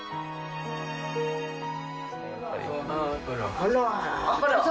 あら。